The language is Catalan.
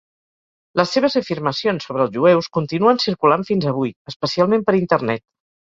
Les seves afirmacions sobre els jueus continuen circulant fins avui, especialment per Internet.